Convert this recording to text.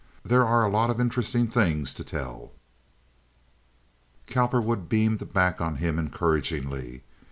"There are a lot of interesting things to tell." Cowperwood beamed back on him encouragingly.